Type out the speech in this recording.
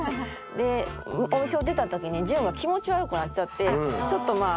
でお店を出た時にジュンが気持ち悪くなっちゃってちょっとまあ